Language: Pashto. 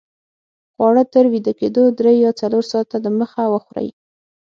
خواړه تر ویده کېدو درې یا څلور ساته دمخه وخورئ